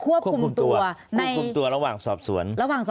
ควบคุมตัวระหว่างสอบสวน